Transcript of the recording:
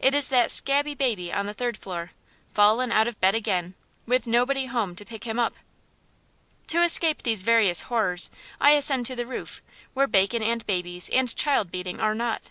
It is that scabby baby on the third floor, fallen out of bed again, with nobody home to pick him up. To escape from these various horrors I ascend to the roof, where bacon and babies and child beating are not.